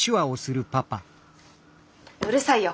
うるさいよ。